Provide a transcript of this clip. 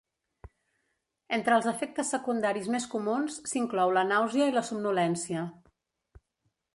Entre els efectes secundaris més comuns s'inclou la nàusea i la somnolència.